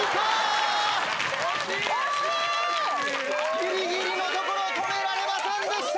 ・ギリギリの所止められませんでした！